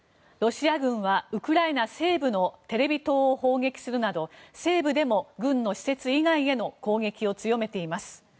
ロシア軍はウクライナ西部のテレビ塔を砲撃するなど西部でも軍の施設以外への攻撃を強めています。